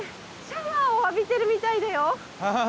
シャワーを浴びてるみたいだよ。